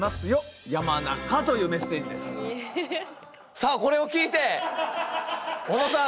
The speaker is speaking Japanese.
さあこれを聞いて小野さん。